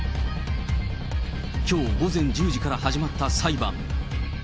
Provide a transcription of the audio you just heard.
きょう午前１０時から始まった裁判。